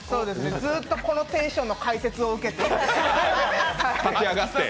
ずっとこのテンションの解説を受けて。